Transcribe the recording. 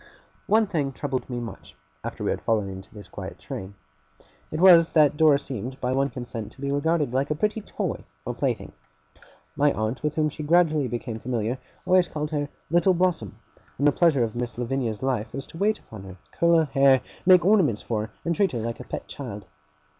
One thing troubled me much, after we had fallen into this quiet train. It was, that Dora seemed by one consent to be regarded like a pretty toy or plaything. My aunt, with whom she gradually became familiar, always called her Little Blossom; and the pleasure of Miss Lavinia's life was to wait upon her, curl her hair, make ornaments for her, and treat her like a pet child.